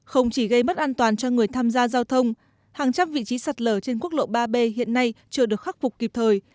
không chỉ gây mất an toàn cho người tham gia giao thông hàng trăm vị trí sạt lở trên quốc lộ ba b hiện nay chưa được khắc phục kịp thời